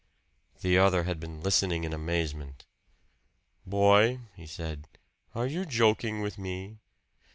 The other had been listening in amazement. "Boy," he said, "are you joking with me?"